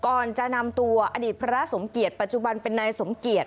ก่อนจะนำตัวอดีตพระสมเกียจปัจจุบันเป็นนายสมเกียจ